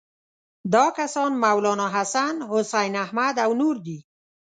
دا کسان مولناحسن، حسین احمد او نور دي.